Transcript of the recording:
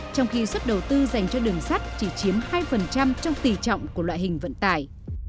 trong khi suất đầu tư dành cho đường sắt chỉ chiếm hai trong tỷ trọng của loại hình vận tải